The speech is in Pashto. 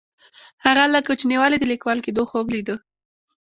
هغه له کوچنیوالي د لیکوال کیدو خوب لیده.